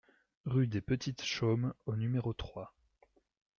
Rue des Petites Chaumes au numéro trois